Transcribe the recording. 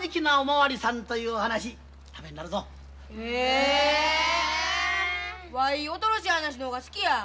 わいおとろしい話の方が好きや。